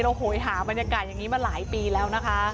โหยหาบรรยากาศอย่างนี้มาหลายปีแล้วนะคะ